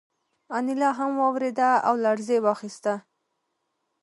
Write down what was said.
انیلا هم وورېده او لړزې واخیسته